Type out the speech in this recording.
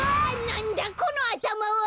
なんだこのあたまは！？